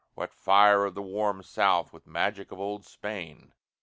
what fire Of the "warm South" with magic of old Spain!